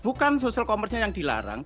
bukan social commerce nya yang dilarang